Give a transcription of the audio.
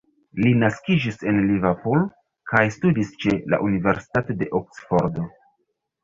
Li naskiĝis en Liverpool kaj studis ĉe la Universitato de Oksfordo.